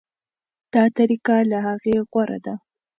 دا طریقه له هغې غوره ده.